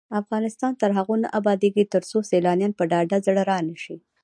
افغانستان تر هغو نه ابادیږي، ترڅو سیلانیان په ډاډه زړه را نشي.